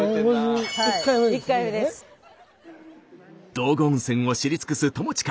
道後温泉を知り尽くす友近。